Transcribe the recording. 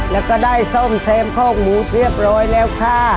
แล้วก็ได้ส้มเสมข้องหมูเรียบร้อยแล้วค่ะ